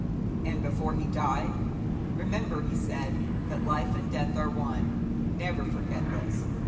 And before he died: 'Remember,' he said, 'that life and death are one. Never forget this.